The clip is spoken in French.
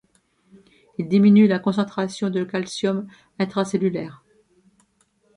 Il diminue la concentration de calcium intracellulaire.